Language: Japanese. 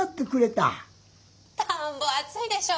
「たんぼあついでしょ。